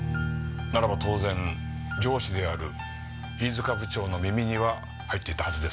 ならば当然上司である飯塚部長の耳には入っていたはずですが。